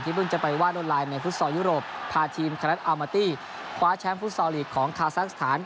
ที่เพิ่งจะไปวาดโลนไลน์ในฟุตสอลยุโรปพาทีมคาลัทอัลมาตี้คว้าแชมป์ฟุตสอลลีกของคาซักสถาน